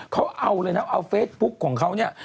เขาเอาเลยนะเอาเฟซบุ๊คของเขาเนี่ย